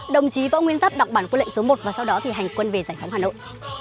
đồng chí võ nguyên pháp đọc bản quân lệ số một và sau đó thì hành quân về giải phóng hà nội